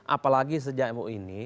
apalagi sejak mu ini